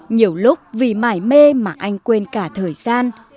nhiều lúc vì mải mê mà anh quên cả thời gian